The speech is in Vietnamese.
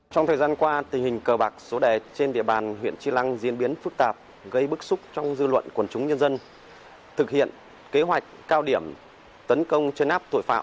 trong thời gian qua tình hình cờ bạc số đề trên địa bàn huyện tri lăng diễn biến phức tạp gây bức xúc trong dư luận quần chúng nhân dân thực hiện kế hoạch cao điểm tấn công chấn áp tội phạm